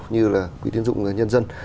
như là quỹ tín dụng nhân dân